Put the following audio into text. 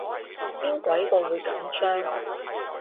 邊鬼個會緊張